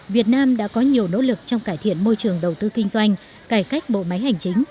việt nam đã có nhiều nỗ lực trong cải thiện môi trường đầu tư kinh doanh cải cách bộ máy hành chính